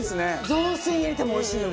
雑炊に入れてもおいしいよ